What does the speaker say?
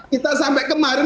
kita sampai kemarin